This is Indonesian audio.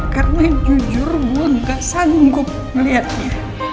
karena jujur gue nggak sanggup melihatnya